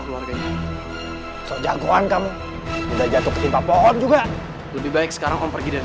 keluarganya jagoan kamu udah jatuh ketimpa pohon juga lebih baik sekarang om pergi dan